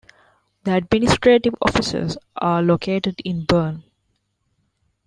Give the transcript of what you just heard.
The administrative offices are located in Bern.